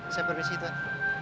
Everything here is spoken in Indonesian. saya pergi disini tuhan